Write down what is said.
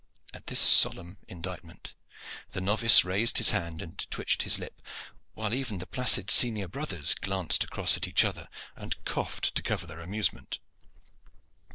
At this solemn indictment the novice raised his hand and twitched his lip, while even the placid senior brothers glanced across at each other and coughed to cover their amusement.